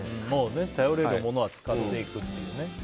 頼れるものは使っていくっていうね。